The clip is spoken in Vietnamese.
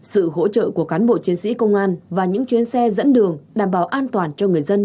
sự hỗ trợ của cán bộ chiến sĩ công an và những chuyến xe dẫn đường đảm bảo an toàn cho người dân